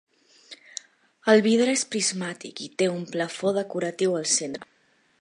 El vidre és prismàtic i té un plafó decoratiu al centre.